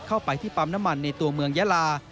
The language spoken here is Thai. เข้าไปที่ปั๊มน้ำมันในตัวเมืองยาลา